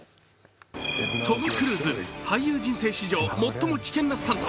トム・クルーズ、俳優人生史上最も危険なスタント。